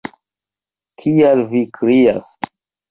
Kial vi krias?